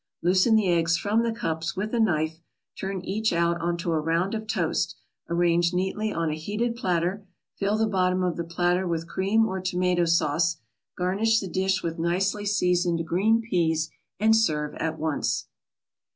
Loosen the eggs from the cups with a knife, turn each out onto a round of toast, arrange neatly on a heated platter, fill the bottom of the platter with cream or tomato sauce, garnish the dish with nicely seasoned green peas and serve at once.